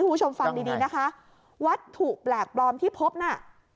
คุณผู้ชมฟังดีดีนะคะวัตถุแปลกปลอมที่พบน่ะ